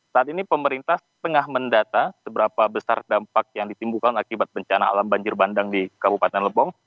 saat ini pemerintah tengah mendata seberapa besar dampak yang ditimbulkan akibat bencana alam banjir bandang di kabupaten lebong